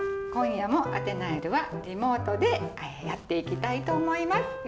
今夜も「あてなよる」はリモートでやっていきたいと思います。